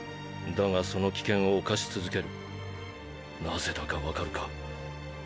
だがその危険を冒し続けるなぜだかわかるか？